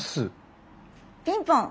ピンポン！